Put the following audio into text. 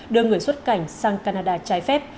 đưa người xuất cảnh sang canada trái phép